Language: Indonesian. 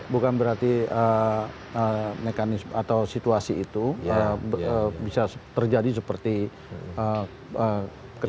bukan berarti mekanisme atau situasi itu bisa terjadi seperti ketika